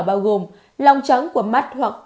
bao gồm lòng trắng của mắt hoặc